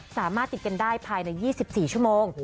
สามารถติดกันได้ภายใน๒๔ชั่วโมง